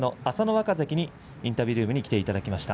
若関にインタビュールームに来ていただきました。